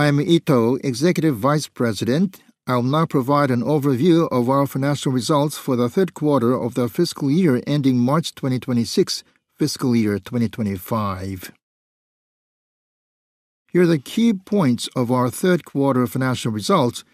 I am Itoh, Executive Vice President. I will now provide an overview of our financial results for the third quarter of the fiscal year ending March 2026, fiscal year 2025. Here are the key points of our third quarter financial results.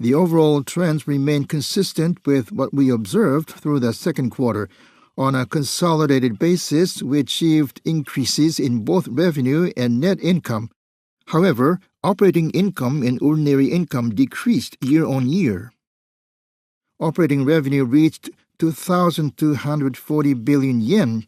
The overall trends remain consistent with what we observed through the second quarter, on a consolidated basis we achieved increases in both revenue and net income. However, operating income and ordinary income decreased year-on-year. Operating revenue reached 2,240 billion yen,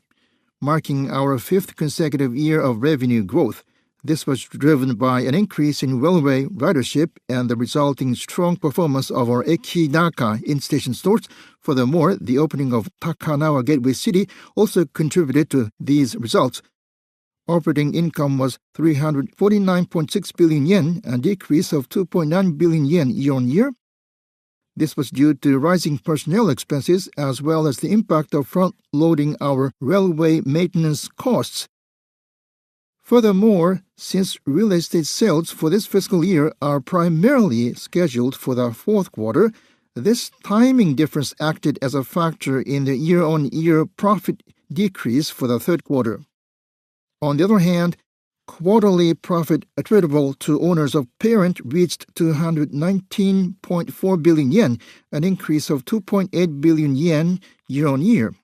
marking our fifth consecutive year of revenue growth. This was driven by an increase in railway ridership and the resulting strong performance of our Ekinaka in-station stores. Furthermore, the opening of Takanawa Gateway City also contributed to these results. Operating income was 349.6 billion yen, a decrease of 2.9 billion yen year-on-year. This was due to rising personnel expenses as well as the impact of front-loading our railway maintenance costs. Furthermore, since real estate sales for this fiscal year are primarily scheduled for the fourth quarter, this timing difference acted as a factor in the year-on-year profit decrease for the third quarter. On the other hand, quarterly profit attributable to owners of parent reached 219.4 billion yen, an increase of 2.8 billion yen year-on-year.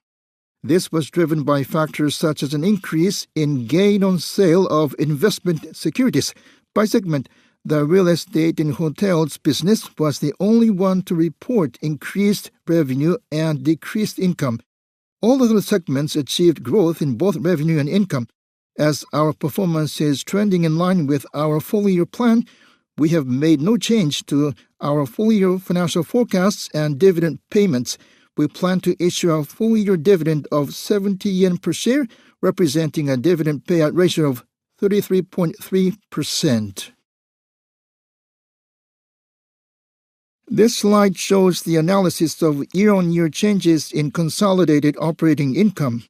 This was driven by factors such as an increase in gain on sale of investment securities. By segment, the real estate and hotels business was the only one to report increased revenue and decreased income. All other segments achieved growth in both revenue and income. As our performance is trending in line with our full-year plan, we have made no change to our full-year financial forecasts and dividend payments. We plan to issue a full-year dividend of 70 yen per share, representing a dividend payout ratio of 33.3%. This slide shows the analysis of year-on-year changes in consolidated operating income.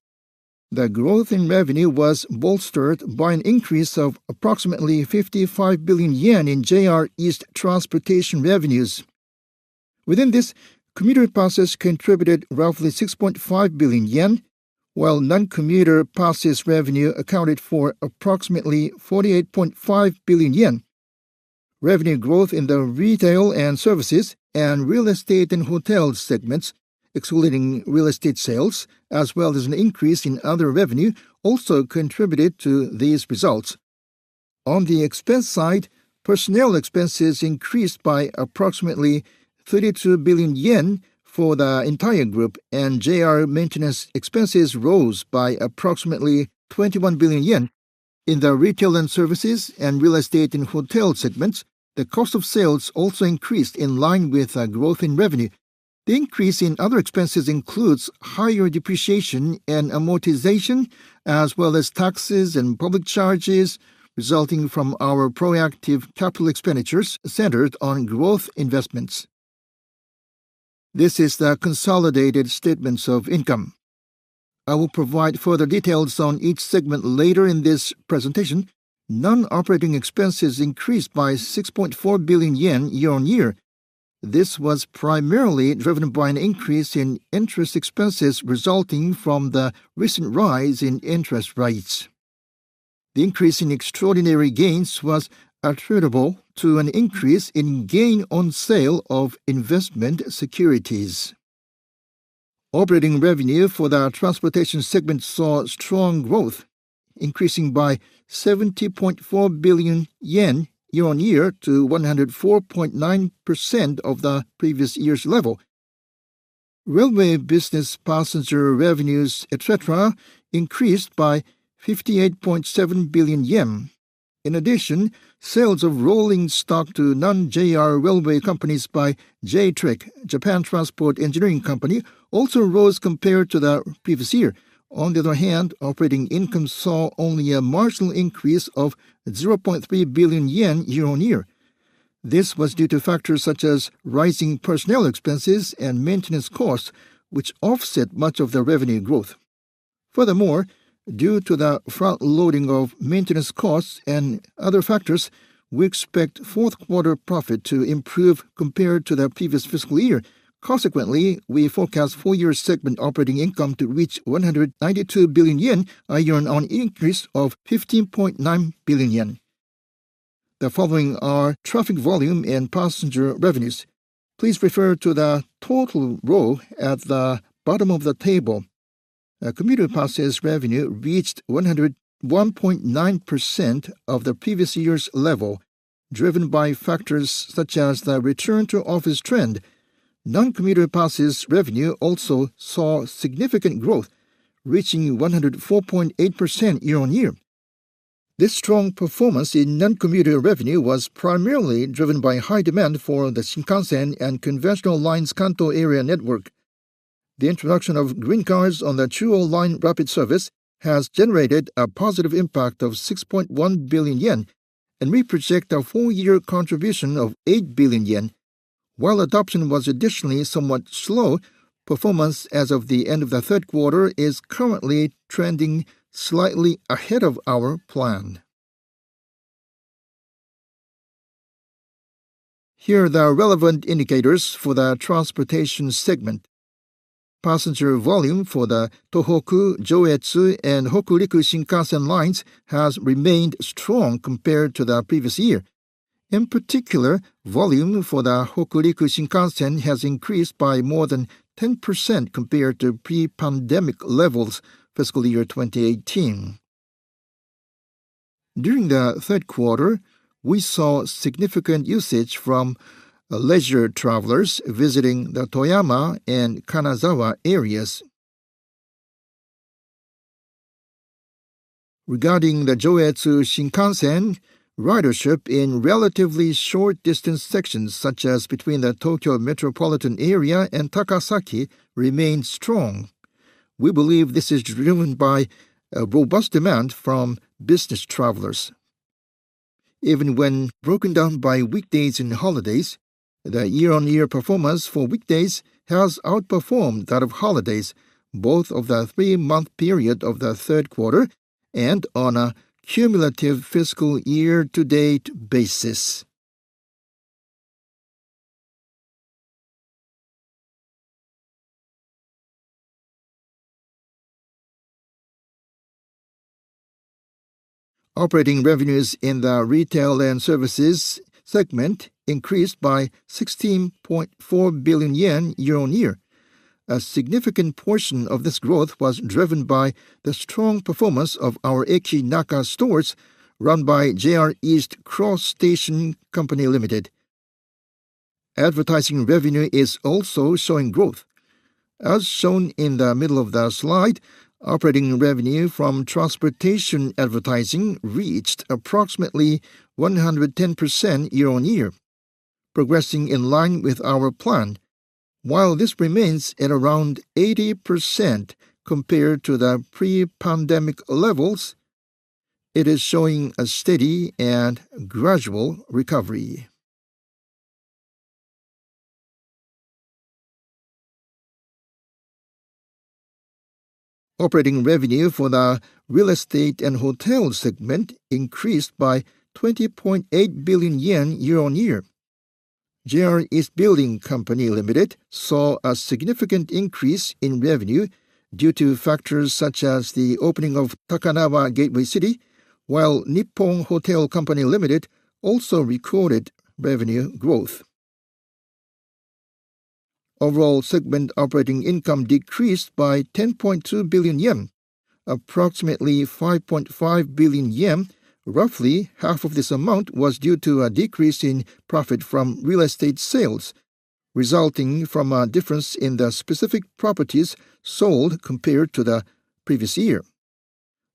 The growth in revenue was bolstered by an increase of approximately 55 billion yen in JR East transportation revenues. Within this, commuter passes contributed roughly 6.5 billion yen, while non-commuter passes revenue accounted for approximately 48.5 billion yen. Revenue growth in the retail and services, and real estate and hotels segments, excluding real estate sales, as well as an increase in other revenue, also contributed to these results. On the expense side, personnel expenses increased by approximately 32 billion yen for the entire group, and JR maintenance expenses rose by approximately 21 billion yen. In the retail and services, and real estate and hotels segments, the cost of sales also increased in line with the growth in revenue. The increase in other expenses includes higher depreciation and amortization, as well as taxes and public charges resulting from our proactive capital expenditures centered on growth investments. This is the consolidated statements of income. I will provide further details on each segment later in this presentation. Non-operating expenses increased by 6.4 billion yen year-on-year. This was primarily driven by an increase in interest expenses resulting from the recent rise in interest rates. The increase in extraordinary gains was attributable to an increase in gain on sale of investment securities. Operating revenue for the transportation segment saw strong growth, increasing by 70.4 billion yen year-on-year to 104.9% of the previous year's level. Railway business passenger revenues, etc., increased by 58.7 billion yen. In addition, sales of rolling stock to non-JR railway companies by J-TREC, Japan Transport Engineering Company, also rose compared to the previous year. On the other hand, operating income saw only a marginal increase of 0.3 billion yen year-on-year. This was due to factors such as rising personnel expenses and maintenance costs, which offset much of the revenue growth. Furthermore, due to the front-loading of maintenance costs and other factors, we expect fourth quarter profit to improve compared to the previous fiscal year. Consequently, we forecast full-year segment operating income to reach 192 billion yen, a year-on-year increase of 15.9 billion yen. The following are traffic volume and passenger revenues. Please refer to the total row at the bottom of the table. Commuter passes revenue reached 101.9% of the previous year's level, driven by factors such as the return-to-office trend. Non-commuter passes revenue also saw significant growth, reaching 104.8% year-on-year. This strong performance in non-commuter revenue was primarily driven by high demand for the Shinkansen and conventional lines Kanto Area Network. The introduction of Green Cars on the Chuo Line Rapid Service has generated a positive impact of 6.1 billion yen, and we project a full-year contribution of 8 billion yen. While adoption was additionally somewhat slow, performance as of the end of the third quarter is currently trending slightly ahead of our plan. Here are the relevant indicators for the transportation segment. Passenger volume for the Tohoku, Jōetsu, and Hokuriku Shinkansen lines has remained strong compared to the previous year. In particular, volume for the Hokuriku Shinkansen has increased by more than 10% compared to pre-pandemic levels, fiscal year 2018. During the third quarter, we saw significant usage from leisure travelers visiting the Toyama and Kanazawa areas. Regarding the Jōetsu Shinkansen, ridership in relatively short-distance sections such as between the Tokyo Metropolitan Area and Takasaki remained strong. We believe this is driven by robust demand from business travelers. Even when broken down by weekdays and holidays, the year-on-year performance for weekdays has outperformed that of holidays, both of the three-month period of the third quarter and on a cumulative fiscal year-to-date basis. Operating revenues in the retail and services segment increased by 16.4 billion yen year-on-year. A significant portion of this growth was driven by the strong performance of our Ekinaka stores run by JR East Cross Station Co., Ltd. Advertising revenue is also showing growth. As shown in the middle of the slide, operating revenue from transportation advertising reached approximately 110% year-on-year, progressing in line with our plan. While this remains at around 80% compared to the pre-pandemic levels, it is showing a steady and gradual recovery. Operating revenue for the real estate and hotels segment increased by 20.8 billion yen year-on-year. JR East Building Co., Ltd. saw a significant increase in revenue due to factors such as the opening of Takanawa Gateway City, while Nippon Hotel Co., Ltd. also recorded revenue growth. Overall segment operating income decreased by 10.2 billion yen, approximately 5.5 billion yen. Roughly half of this amount was due to a decrease in profit from real estate sales, resulting from a difference in the specific properties sold compared to the previous year.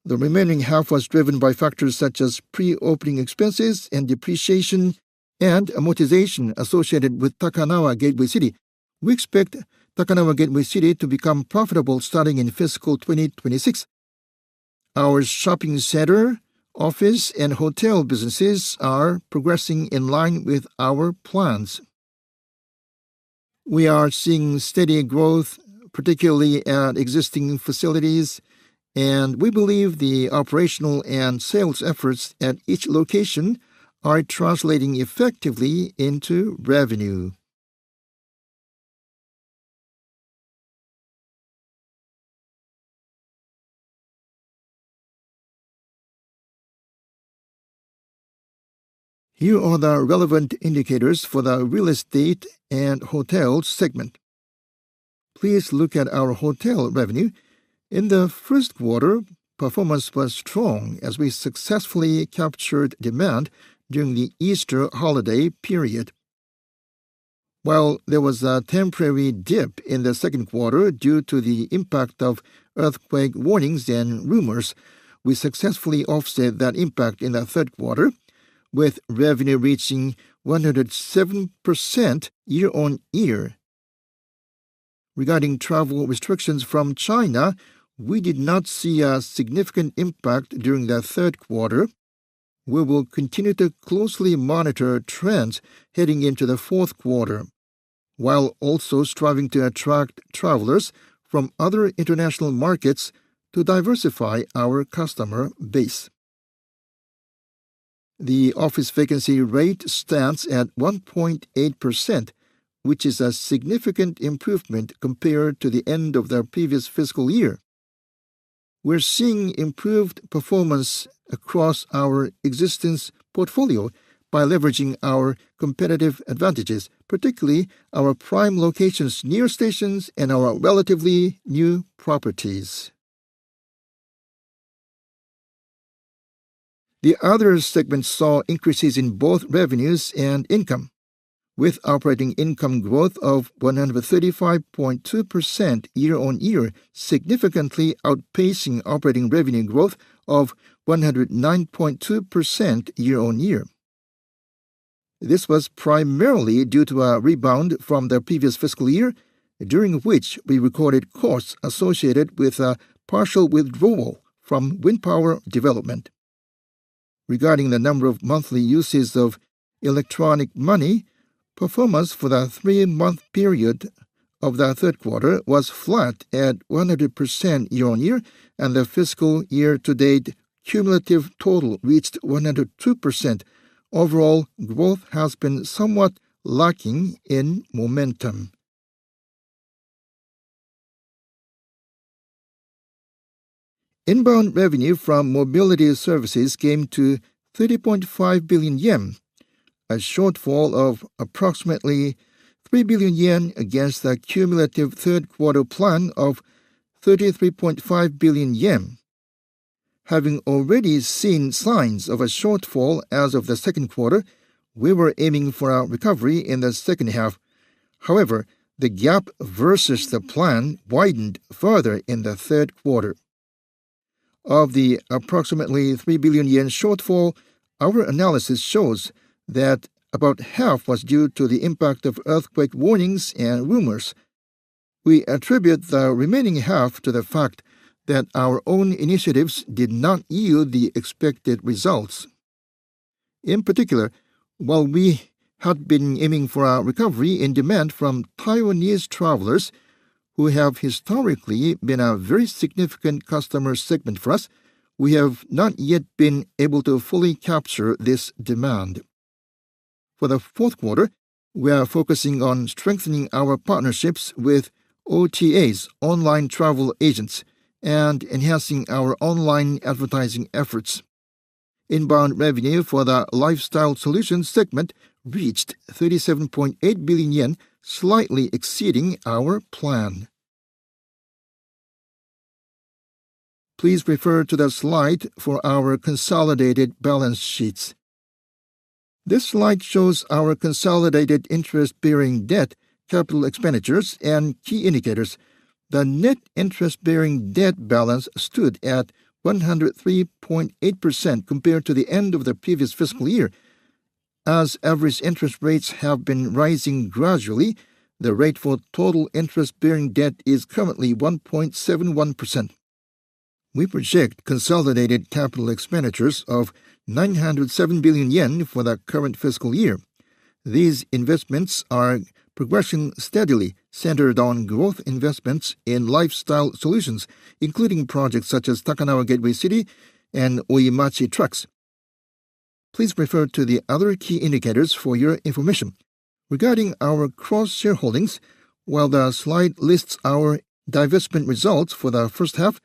The remaining half was driven by factors such as pre-opening expenses and depreciation, and amortization associated with Takanawa Gateway City. We expect Takanawa Gateway City to become profitable starting in fiscal 2026. Our shopping center, office, and hotel businesses are progressing in line with our plans. We are seeing steady growth, particularly at existing facilities, and we believe the operational and sales efforts at each location are translating effectively into revenue. Here are the relevant indicators for the real estate and hotels segment. Please look at our hotel revenue. In the first quarter, performance was strong as we successfully captured demand during the Easter holiday period. While there was a temporary dip in the second quarter due to the impact of earthquake warnings and rumors, we successfully offset that impact in the third quarter, with revenue reaching 107% year-on-year. Regarding travel restrictions from China, we did not see a significant impact during the third quarter. We will continue to closely monitor trends heading into the fourth quarter, while also striving to attract travelers from other international markets to diversify our customer base. The office vacancy rate stands at 1.8%, which is a significant improvement compared to the end of the previous fiscal year. We're seeing improved performance across our existing portfolio by leveraging our competitive advantages, particularly our prime locations near stations and our relatively new properties. The other segments saw increases in both revenues and income, with operating income growth of 135.2% year-over-year, significantly outpacing operating revenue growth of 109.2% year-over-year. This was primarily due to a rebound from the previous fiscal year, during which we recorded costs associated with a partial withdrawal from wind power development. Regarding the number of monthly uses of electronic money, performance for the three-month period of the third quarter was flat at 100% year-on-year, and the fiscal year-to-date cumulative total reached 102%. Overall, growth has been somewhat lacking in momentum. Inbound revenue from mobility services came to 30.5 billion yen, a shortfall of approximately 3 billion yen against the cumulative third-quarter plan of 33.5 billion yen. Having already seen signs of a shortfall as of the second quarter, we were aiming for a recovery in the second half. However, the gap versus the plan widened further in the third quarter. Of the approximately 3 billion yen shortfall, our analysis shows that about half was due to the impact of earthquake warnings and rumors. We attribute the remaining half to the fact that our own initiatives did not yield the expected results. In particular, while we had been aiming for a recovery in demand from Taiwanese travelers, who have historically been a very significant customer segment for us, we have not yet been able to fully capture this demand. For the fourth quarter, we are focusing on strengthening our partnerships with OTAs, online travel agents, and enhancing our online advertising efforts. Inbound revenue for the lifestyle solutions segment reached 37.8 billion yen, slightly exceeding our plan. Please refer to the slide for our consolidated balance sheets. This slide shows our consolidated interest-bearing debt, capital expenditures, and key indicators. The net interest-bearing debt balance stood at 103.8% compared to the end of the previous fiscal year. As average interest rates have been rising gradually, the rate for total interest-bearing debt is currently 1.71%. We project consolidated capital expenditures of 907 billion yen for the current fiscal year. These investments are progressing steadily, centered on growth investments in lifestyle solutions, including projects such as Takanawa Gateway City and Oimachi Tracks. Please refer to the other key indicators for your information. Regarding our cross-shareholdings, while the slide lists our divestment results for the first half,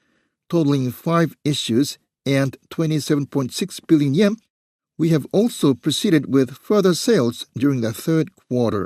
totaling five issues and 27.6 billion yen, we have also proceeded with further sales during the third quarter.